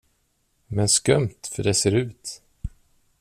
Men skumt, för det ser ut.